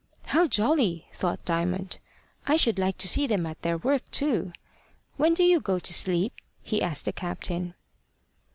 "How jolly!" thought Diamond. "I should like to see them at their work too. When do you go to sleep?" he asked the captain.